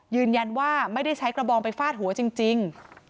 ยืนยันว่าไม่ได้ใช้กระบองไปฟาดหัวจริง